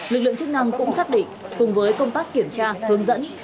lực lượng chức năng cũng xác định cùng với công tác kiểm tra hướng dẫn